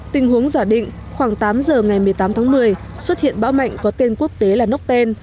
tình huống giả định khoảng tám giờ ngày một mươi tám tháng một mươi xuất hiện bão mạnh có tên quốc tế là nokten